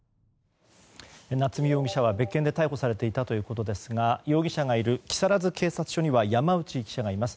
夏見容疑者は別件で逮捕されていたということですが容疑者がいる木更津警察署には山内記者がいます。